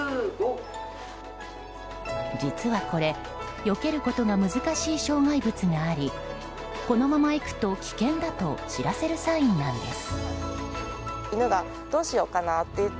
実はこれよけることが難しい障害物がありこのまま行くと危険だと知らせるサインなんです。